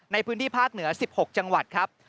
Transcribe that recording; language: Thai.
ในพื้นที่ภาคเหนือ๑๖จังหวัดครับ